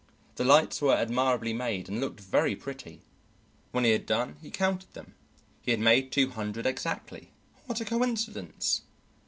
The lights were admirably made and looked very pretty. When he had done he counted them. He had made two hundred exactly. What a coincidence!